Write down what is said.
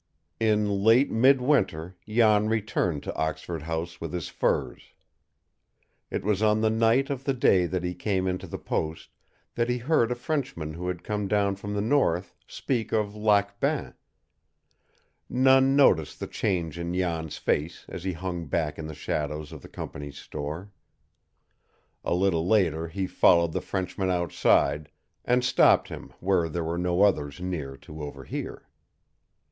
In late mid winter Jan returned to Oxford House with his furs. It was on the night of the day that he came into the post that he heard a Frenchman who had come down from the north speak of Lac Bain. None noticed the change in Jan's face as he hung back in the shadows of the company's store. A little later he followed the Frenchman outside, and stopped him where there were no others near to overhear.